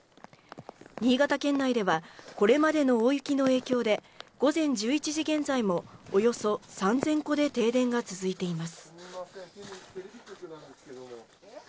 新潟県内では、これまでの大雪の影響で午前１１時現在もおよそ３０００戸で停電が続いています。